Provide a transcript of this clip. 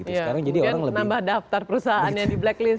sekarang jadi orang lebih mungkin nambah daftar perusahaan